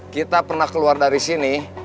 kita pernah keluar dari sini